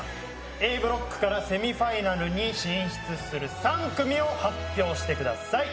Ａブロックからセミファイナルに進出する３組を発表してください